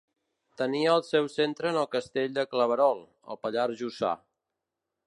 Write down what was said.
Tenia el seu centre en el castell de Claverol, al Pallars Jussà.